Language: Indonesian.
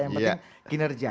yang penting kinerja